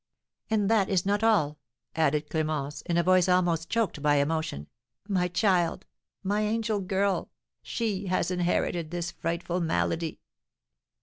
"And that is not all," added Clémence, in a voice almost choked by emotion; "my child, my angel girl, she has inherited this frightful malady."